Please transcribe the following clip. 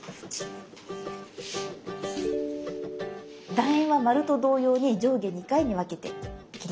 だ円は丸と同様に上下２回に分けて切ります。